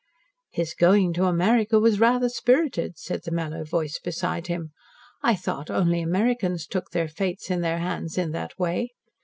"His going to America was rather spirited," said the mellow voice beside him. "I thought only Americans took their fates in their hands in that way.